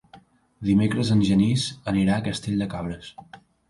Dimecres en Genís anirà a Castell de Cabres.